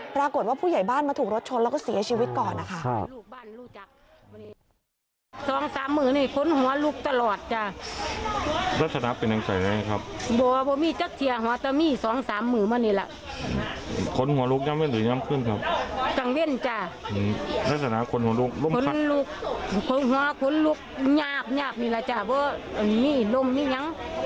ปรากฏว่าผู้ใหญ่บ้านมาถูกรถชนแล้วก็เสียชีวิตก่อนนะคะ